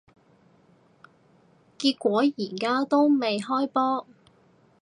結果而家都未開波